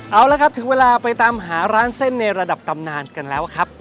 เอาละครับถึงเวลาไปตามหาร้านเส้นในระดับตำนานกันแล้วครับ